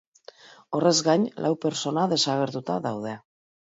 Horrez gain, lau pertsona desagertuta daude.